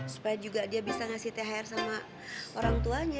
supaya juga dia bisa ngasih thr sama orang tuanya